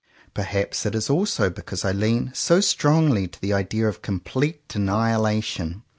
Perhaps it is also because I lean so strongly to the idea of complete annihilation.